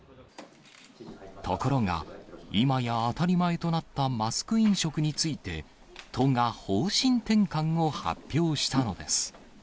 ところが、今や当たり前となったマスク飲食について、都が方針転換を発表したのです。